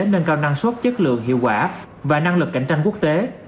nâng cao năng suất chất lượng hiệu quả và năng lực cạnh tranh quốc tế